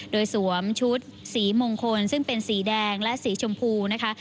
โดยสวมชุดสีมงคลซึ่งเป็นสีแดงและสีชมพูนะคะ